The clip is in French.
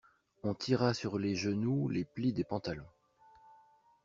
On tira sur les genoux les plis des pantalons.